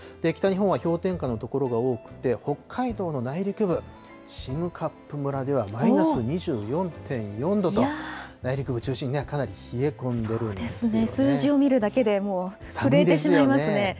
北日本は氷点下の所が多くて、北海道の内陸部、占冠村ではマイナス２４．４度と、内陸部中心にかなり冷え込んでるんですよね。